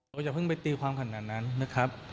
อย่าเพิ่งไปตีความขนาดนั้นนะครับ